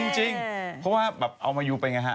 จริงเพราะว่าเอามายูไปไงฮะ